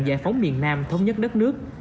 giải phóng miền nam thống nhất đất nước